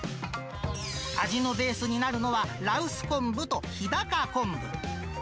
味のベースになるのは羅臼昆布と日高昆布。